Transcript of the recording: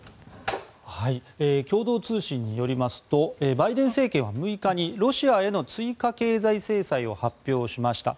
共同通信によりますとバイデン政権は６日にロシアへの追加経済制裁を発表しました。